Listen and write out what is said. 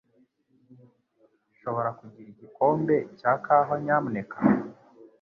Nshobora kugira igikombe cya kawa, nyamuneka?